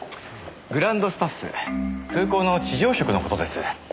グランドスタッフ空港の地上職の事です。